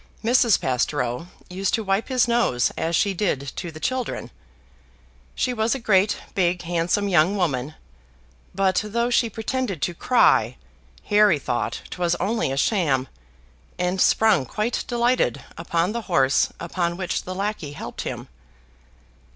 Mrs. Pastoureau used to wipe his nose as she did to the children. She was a great, big, handsome young woman; but, though she pretended to cry, Harry thought 'twas only a sham, and sprung quite delighted upon the horse upon which the lackey helped him.